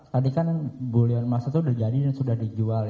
tadi kan buliran emas itu sudah jadi sudah dijual